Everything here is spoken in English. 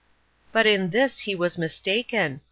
But in this he was mistaken!